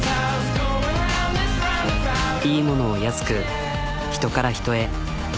いいものを安く人から人へ。